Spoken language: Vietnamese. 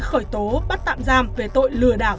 khởi tố bắt tạm giam về tội lừa đảo